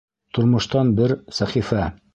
Тормоштан бер сәхифә